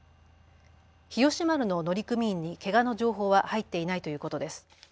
日吉丸の乗組員にけがの情報は入っていないということです。